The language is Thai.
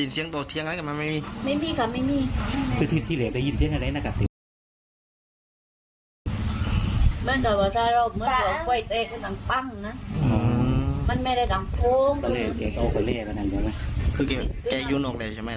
เสียงปั้งที่ได้ยินคือนึกว่าไฟชอต